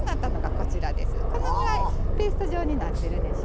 このぐらいペースト状になってるでしょう？